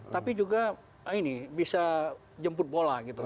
tapi juga ini bisa jemput bola gitu